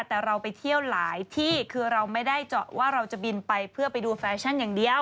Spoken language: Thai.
แต่เราไปเที่ยวหลายที่คือเราไม่ได้เจาะว่าเราจะบินไปเพื่อไปดูแฟชั่นอย่างเดียว